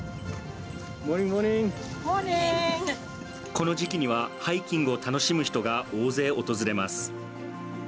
この時期にはハイキングを楽しむ人が大勢訪れます。